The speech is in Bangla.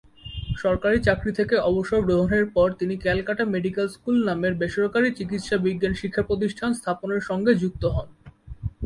সরকারী চাকরি থেকে অবসর গ্রহণের পর তিনি ক্যালকাটা মেডিক্যাল স্কুল নামের বেসরকারী চিকিৎসা বিজ্ঞান শিক্ষাপ্রতিষ্ঠান স্থাপনের সঙ্গে যুক্ত হন।